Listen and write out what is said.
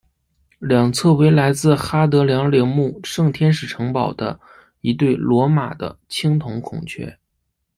两侧为来自哈德良陵墓圣天使城堡的一对罗马的青铜孔雀。